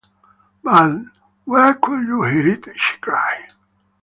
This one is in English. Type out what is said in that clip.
“But where could you hear it?” she cried.